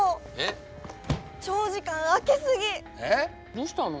どうしたの？